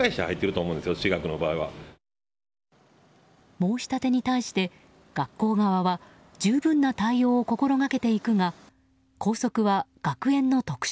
申し立てに対して、学校側は十分な対応を心掛けていくが校則は学園の特色。